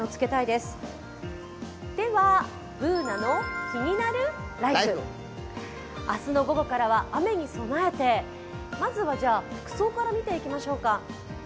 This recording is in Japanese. では、「ＢｏｏｎａのキニナルＬＩＦＥ」明日の午後からは雨に備えてまずは服装から見ていきましょうか。